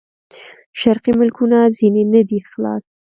شرقي ملکونه ځنې نه دي خلاص.